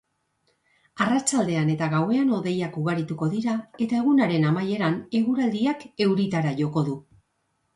Arratsaldean eta gauean hodeiak ugarituko dira eta egunaren amaieran eguraldiak euritara joko du.